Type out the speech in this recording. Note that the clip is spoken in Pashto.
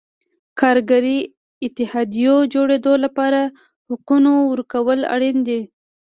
کارګري اتحادیو جوړېدو لپاره حقونو ورکول اړین دي.